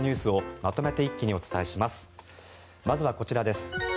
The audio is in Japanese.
まずはこちらです。